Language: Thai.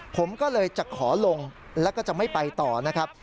ผมก็เลยจะขอลงแล้วก็จะไม่ไปต่อนะครับ